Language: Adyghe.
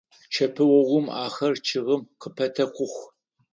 Чъэпыогъум ахэр чъыгым къыпэтэкъух.